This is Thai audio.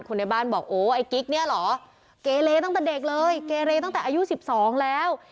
ในบ้านบอกโอ้ไอ้กิ๊กเนี่ยเหรอเกเลตั้งแต่เด็กเลยเกเลตั้งแต่อายุ๑๒แล้ว